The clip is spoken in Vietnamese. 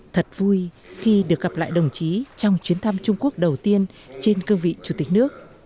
thật vui khi được gặp lại đồng chí trong chuyến thăm trung quốc đầu tiên trên cương vị chủ tịch nước